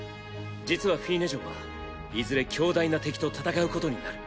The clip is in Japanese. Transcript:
実はフィーネ嬢はいずれ強大な敵と戦うことになる。